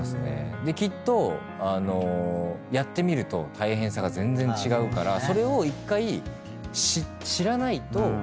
きっとやってみると大変さが全然違うからそれを１回。